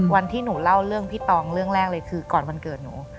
วันที่หนูเล่าเรื่องพี่ตองเรื่องแรกเลยคือก่อนวันเกิดหนู